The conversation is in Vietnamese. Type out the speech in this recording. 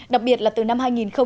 đặc biệt là từ năm hai nghìn một mươi